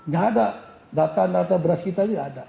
gak ada data data beras kita ini gak ada